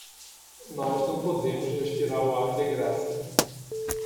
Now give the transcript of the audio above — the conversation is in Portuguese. Nós não podemos respirar o ar de graça.